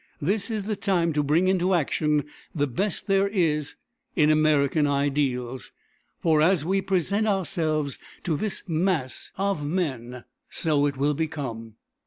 This is the time to bring into action the best there is in American ideals; for as we present ourselves to this mass of men, so it will become.